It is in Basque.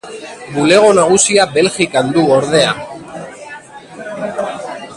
Bulego nagusia Belgikan du, ordea.